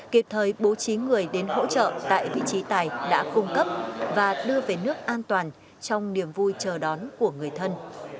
kịp thời bố trí người đến hỗ trợ tại vị trí tài đã cung cấp và đưa về nước an toàn trong niềm vui chờ đón của người thân